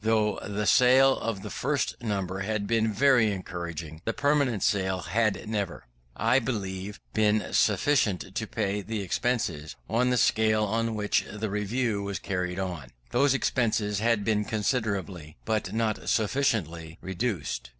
Though the sale of the first number had been very encouraging, the permanent sale had never, I believe, been sufficient to pay the expenses, on the scale on which the Review was carried on. Those expenses had been considerably, but not sufficiently, reduced.